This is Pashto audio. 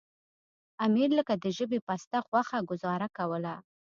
امیر لکه د ژبې پسته غوښه ګوزاره کوله.